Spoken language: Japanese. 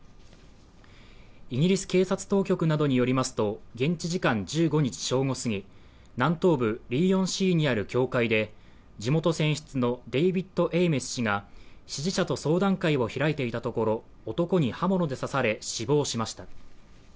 イギリス警察当局などによりますと、現地時間１５日正午すぎ南東部リー・オン・シーにある教会で、地元選出のデイヴィッド・エイメス氏が支持者と相談会を開いていたところ、男に刃物で刺され死亡しました。